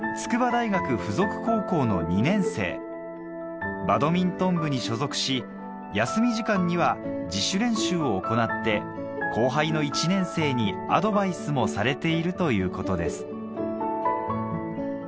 現在バドミントン部に所属し休み時間には自主練習を行って後輩の１年生にアドバイスもされているということです